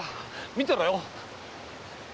見てろよ。